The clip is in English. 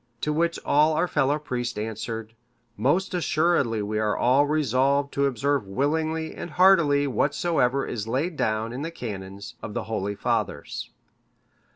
To which all our fellow priests answered, 'Most assuredly we are all resolved to observe willingly and heartily whatsoever is laid down in the canons of the holy fathers.